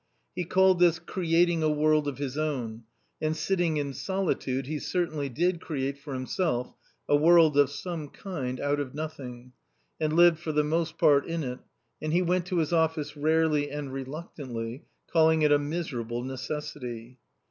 He called this creating a world of his ozvn, and sitting in solitude he cer tainly did create for himself a world of some kind out of nothing and lived for the most part in it, and he went to his office rarely and reluctantly, calling it — "a miserable necessity."